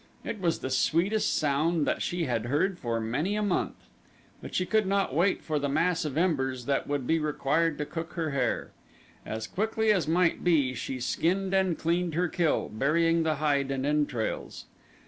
It was the sweetest sound that she had heard for many a month. But she could not wait for the mass of embers that would be required to cook her hare. As quickly as might be she skinned and cleaned her kill, burying the hide and entrails.